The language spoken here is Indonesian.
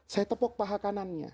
saya tepuk paha kanannya